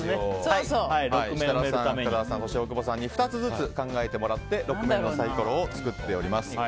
設楽さん、大久保さん深澤さんに２つずつ考えてもらって６面のサイコロを作っております。